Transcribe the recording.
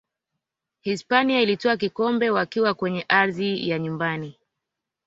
hispania ilitwaa kikombe wakiwa kwenye ardhi ya nyumbani